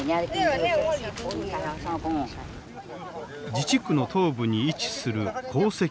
自治区の東部に位置する紅石村。